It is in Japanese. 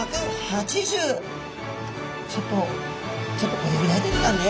ちょっとちょっとこれぐらいですかね。